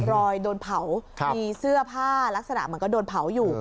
รอยโดนเผามีเสื้อผ้าลักษณะเหมือนก็โดนเผาอยู่